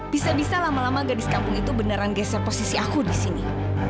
bisa bisa lama lama gadis kampung itu beneran geser posisi aku di sini